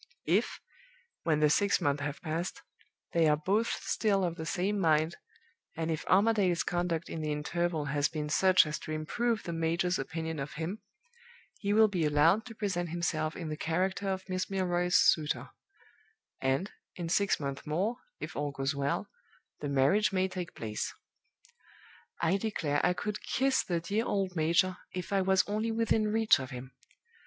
If, when the six months have passed, they are both still of the same mind, and if Armadale's conduct in the interval has been such as to improve the major's opinion of him, he will be allowed to present himself in the character of Miss Milroy's suitor, and, in six months more, if all goes well, the marriage may take place. "I declare I could kiss the dear old major, if I was only within reach of him!